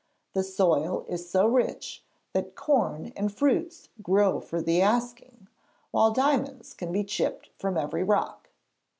The soil is so rich that corn and fruits grow for the asking, while diamonds can be chipped from every rock.